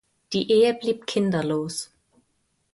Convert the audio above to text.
Die Ehe lieb kinderlos.